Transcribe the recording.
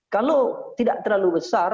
kalau tidak terlalu besar